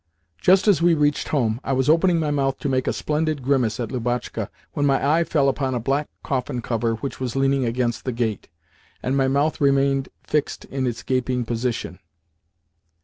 Just as we reached home, I was opening my mouth to make a splendid grimace at Lubotshka when my eye fell upon a black coffin cover which was leaning against the gate—and my mouth remained fixed in its gaping position.